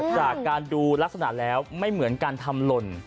จากการดูลักษณะแล้วไม่เหมือนการทำหล่น